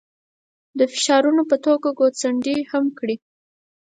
د فشارونو په توګه ګوتڅنډنې هم کړي.